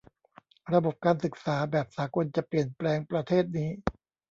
ระบบการศึกษาแบบสากลจะเปลี่ยนแปลงประเทศนี้